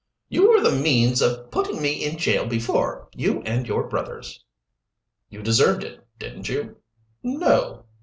"You were the means of putting me in jail before you and your brothers." "You deserved it, didn't you?" "No."